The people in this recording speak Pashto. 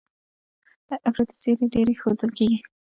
افراطي څېرې ډېرې ښودل کېږي.